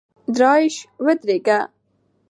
درایش ودرېږه !!